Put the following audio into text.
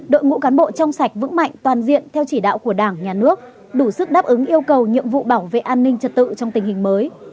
đội ngũ cán bộ trong sạch vững mạnh toàn diện theo chỉ đạo của đảng nhà nước đủ sức đáp ứng yêu cầu nhiệm vụ bảo vệ an ninh trật tự trong tình hình mới